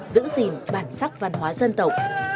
giữ gìn bản sắc văn hóa dân tộc